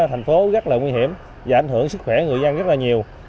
thành phố rất là nguy hiểm và ảnh hưởng sức khỏe người dân rất là nhiều